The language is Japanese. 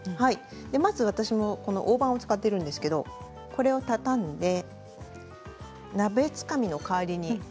まず私も大判を使っているんですがこれを畳んで鍋つかみの代わりに。